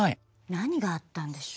何があったんでしょう？